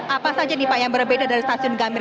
apa saja nih pak yang berbeda dari stasiun gambir